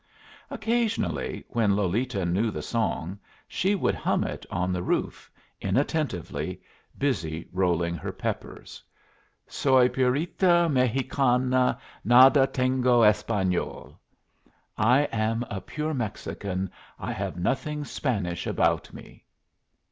Occasionally, when Lolita knew the song, she would hum it on the roof, inattentively, busy rolling her peppers: "'Soy purita mejicana; Nada tengo español.'" (I am a pure Mexican. I have nothing Spanish about me.)